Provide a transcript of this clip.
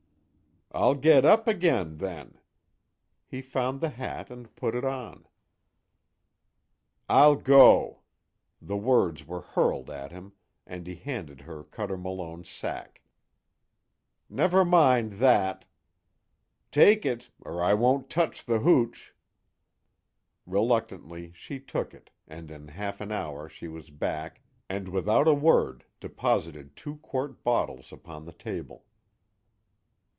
"I'll get up again, then." He found the hat and put it on. "I'll go," the words were hurled at him, and he handed her Cuter Malone's sack. "Never mind that " "Take it! Or I won't touch the hooch." Reluctantly, she took it and in half an hour she was back and without a word deposited two quart bottles upon the table.